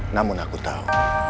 namun aku tahu